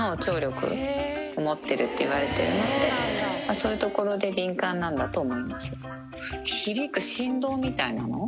そういうところで敏感なんだと思います。